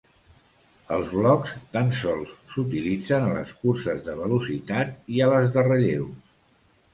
Els blocs tan sols s'utilitzen a les curses de velocitat i a les de relleus.